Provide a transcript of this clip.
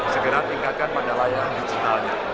segera tinggalkan pada layar digitalnya